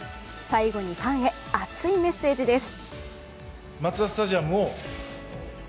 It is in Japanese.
最後にファンヘ熱いメッセージです。